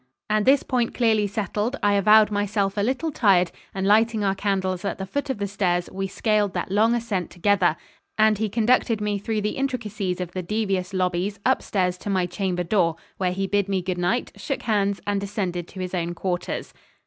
And this point clearly settled, I avowed myself a little tired; and lighting our candles at the foot of the stairs, we scaled that long ascent together, and he conducted me through the intricacies of the devious lobbies up stairs to my chamber door, where he bid me good night, shook hands, and descended to his own quarters.